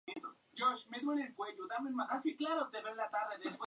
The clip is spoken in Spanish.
El pintor William Marlow fue su alumno.